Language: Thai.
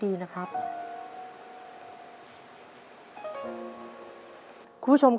แต่ที่แม่ก็รักลูกมากทั้งสองคน